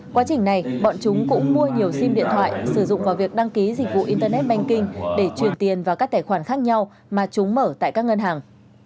quá trình này bọn chúng cũng mua nhiều sim điện thoại sử dụng vào việc đăng ký dịch vụ internet banking để truyền tiền vào các tài khoản khác nhau mà chúng mở tại các ngân hàng